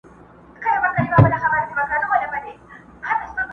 زه لکه ماشوم په منډومنډو وړانګي نیسمه،